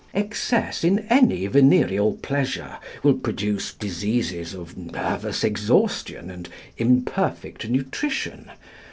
Excess in any venereal pleasure will produce diseases of nervous exhaustion and imperfect nutrition.